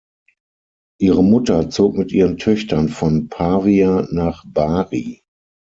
Ihre Mutter zog mit ihren Töchtern von Pavia nach Bari.